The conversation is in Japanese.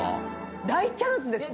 大チャンスですね。